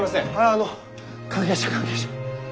ああ関係者関係者！